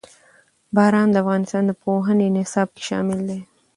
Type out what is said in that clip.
باران د افغانستان د پوهنې نصاب کې شامل دي.